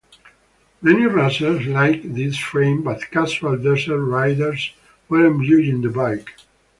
Many racers liked this frame but casual desert riders weren't buying the bike.